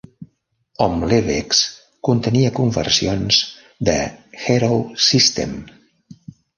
"Omlevex" contenia conversions de Hero System.